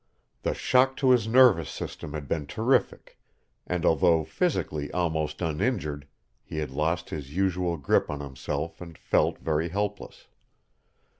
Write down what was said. The shock to his nervous system had been terrific, and, although physically almost uninjured, he had lost his usual grip on himself and felt very helpless.